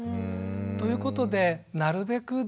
ということでなるべくですね